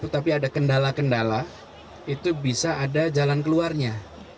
tapi ada kendala kendala itu bisa ada jalan keluarnya